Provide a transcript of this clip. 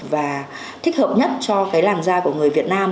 và thích hợp nhất cho cái làn da của người việt nam